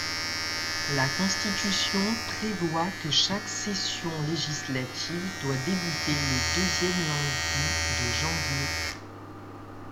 La Constitution prévoit que chaque session législative doit débuter le deuxième lundi de janvier.